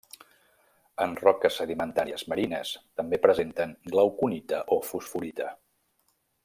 En roques sedimentàries marines també presenten glauconita o fosforita.